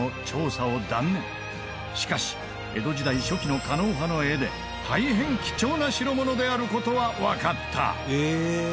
しかし江戸時代初期の狩野派の絵で大変貴重な代物である事はわかった。